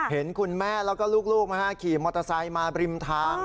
เห็นคุณแม่แล้วก็ลูกขี่มอเตอร์ไซค์มาบริมทาง